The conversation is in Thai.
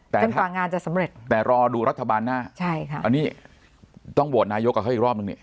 แต่จนกว่างานจะสำเร็จแต่รอดูรัฐบาลหน้าใช่ค่ะอันนี้ต้องโหวตนายกกับเขาอีกรอบนึงนี่